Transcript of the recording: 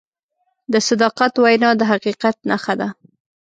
د صداقت وینا د حقیقت نښه ده.